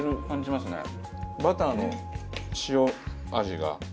バターの塩味が。